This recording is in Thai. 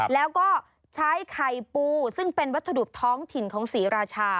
แล้วก็ใช้ไข่ปูซึ่งเป็นวัตถุดิบท้องถิ่นของศรีราชา